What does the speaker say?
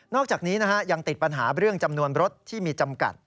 อกจากนี้ยังติดปัญหาเรื่องจำนวนรถที่มีจำกัด